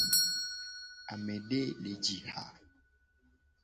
Amede le ji ha.